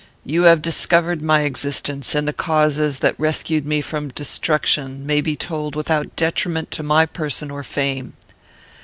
You have discovered my existence, and the causes that rescued me from destruction may be told without detriment to my person or fame.